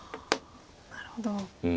なるほど。